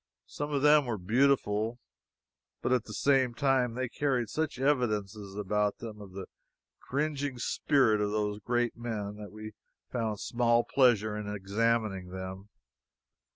Some of them were beautiful, but at the same time they carried such evidences about them of the cringing spirit of those great men that we found small pleasure in examining them.